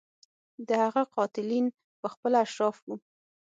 د هغه قاتلین په خپله اشراف وو.